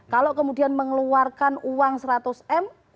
kalau kemudian mengeluarkan uang seratus m